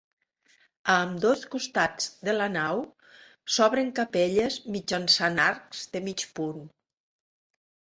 A ambdós costats de la nau s'obren capelles mitjançant arcs de mig punt.